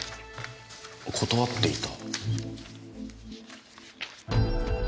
断っていた。